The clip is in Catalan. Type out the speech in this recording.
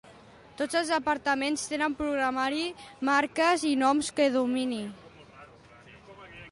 Tots els departaments tenen programari, marques i noms de domini.